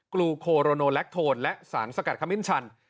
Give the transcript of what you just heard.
กลูโคโรโนแลคโทนและสารสกัดขมิ้นชัน